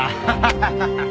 ハハハ。